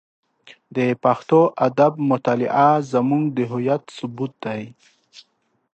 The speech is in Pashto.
د پښتو ادب مطالعه زموږ د هویت ثبوت دی.